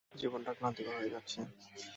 জীবনটা ক্লান্তিকর হয়ে যাচ্ছে।